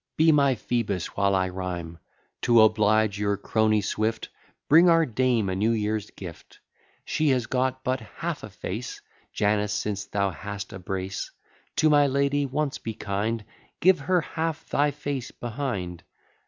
Be my Phoebus while I rhyme; To oblige your crony Swift, Bring our dame a new year's gift; She has got but half a face; Janus, since thou hast a brace, To my lady once be kind; Give her half thy face behind.